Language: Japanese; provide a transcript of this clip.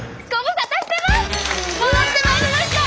戻ってまいりました！